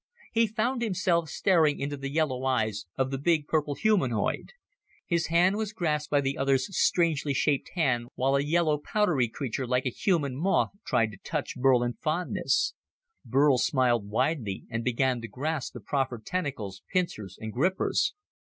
He found himself staring into the yellow eyes of the big, purple humanoid. His hand was grasped by the other's strangely shaped hand while a yellow, powdery creature like a human moth tried to touch Burl in fondness. Burl smiled widely and began to grasp the proffered tentacles, pincers and grippers.